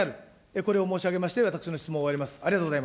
これを申し上げまして、私の質問を終わります。